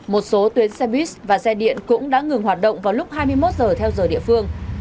một số tuyến xe buýt và xe điện cũng đã ngừng hoạt động vào lúc hai mươi một giờ theo giờ địa phương